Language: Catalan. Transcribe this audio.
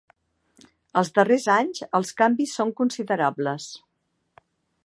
Els darrers anys els canvis són considerables.